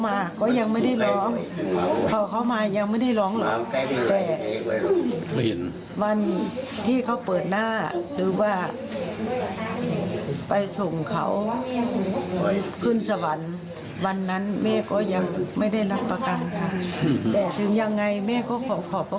ทุกหน่วยงานทุกคนและทุกท่านมาไว้ตรงนี้เลยค่ะ